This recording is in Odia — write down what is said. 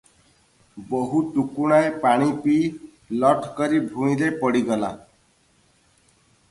ବୋହୂ ଟୁକୁଣାଏ ପାଣି ପିଇ ଲଠକରି ଭୂଇଁରେ ପଡ଼ିଗଲା ।